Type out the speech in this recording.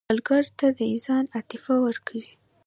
سوالګر ته د انسان عاطفه ورکوئ